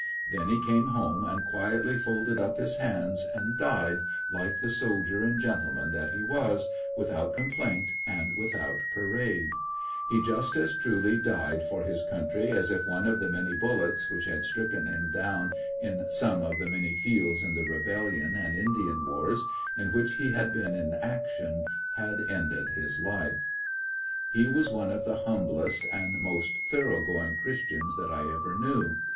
Then he came home, and quietly folded up his hands, and died like the soldier and gentleman that he was, without complaint and without parade* He just as truly died for his country as if one of the many bullets which had stricken him down in some of the many fields in the Rebellion and Indian wars, in which he had been in action, had ended his life. He was one of the humblest and most thor ough going Christians that I ever knew.